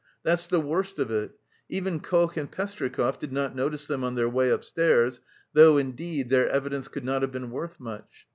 "That's the worst of it. Even Koch and Pestryakov did not notice them on their way upstairs, though, indeed, their evidence could not have been worth much.